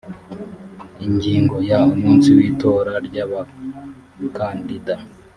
ingingo ya umunsi w itora ry abakandida